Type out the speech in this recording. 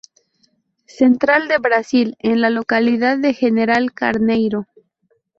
Central de Brasil, en la localidad de General Carneiro.